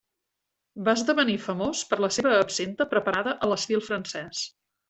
Va esdevenir famós per la seva absenta preparada a l'estil francès.